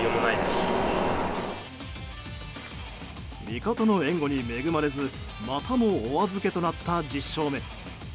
味方の援護に恵まれずまたもお預けとなった１０勝目。